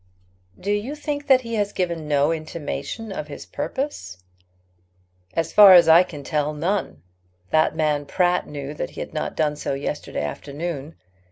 "Do you think that he has given no intimation of his purpose?" "As far as I can tell, none. That man Pratt knew that he had not done so yesterday afternoon.